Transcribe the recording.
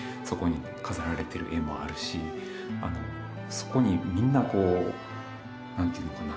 そこにみんなこう何て言うのかな